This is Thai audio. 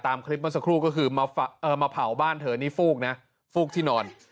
ตามคลิปเมื่อสักครู่ก็คือมาเผาบ้านเธอนี่ฟูกนะฟูกที่นอน